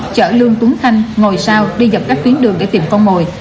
chở lương tuấn khanh ngồi sau đi dập các tuyến đường để tìm con mồi